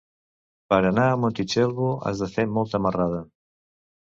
Per anar a Montitxelvo has de fer molta marrada.